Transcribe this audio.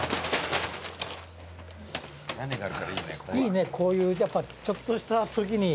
いいねこういうやっぱちょっとしたときに。